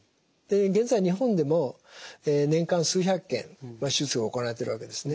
現在日本でも年間数百件手術が行われてるわけですね。